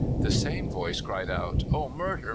"The same voice cried out: 'Oh, murther!